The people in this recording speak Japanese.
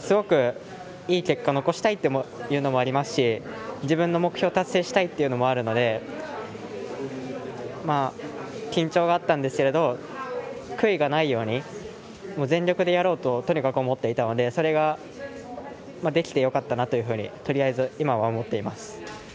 すごくいい結果を残したいというのもありますし自分の目標を達成したいというのもあるので緊張はあったんですけれど悔いがないように全力でやろうととにかく思っていたのでそれができてよかったなととりあえず、今は思っています。